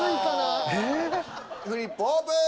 フリップオープン！